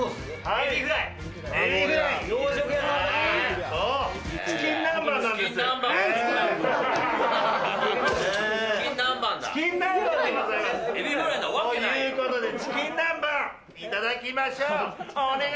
エビフライなわけない。というわけでチキン南蛮いただきましょう。